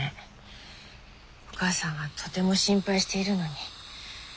お母さんはとても心配しているのに。